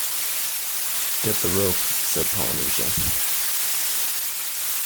“Get the rope!” said Polynesia.